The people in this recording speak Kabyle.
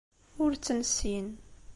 Ur tt-nessin.